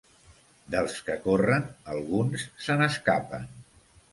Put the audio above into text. Dels que corren, alguns se n'escapen.